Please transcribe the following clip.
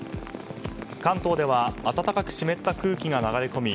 関東では暖かく湿った空気が流れ込み